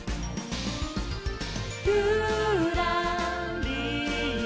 「ぴゅらりら」